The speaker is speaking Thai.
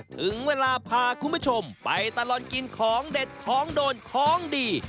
ถึงเวลาพาคุณผู้ชมไปตลอดกินของเด็ดของโดนของดี